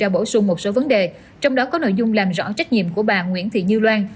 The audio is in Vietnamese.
bổ sung một số vấn đề trong đó có nội dung làm rõ trách nhiệm của bà nguyễn thị như loan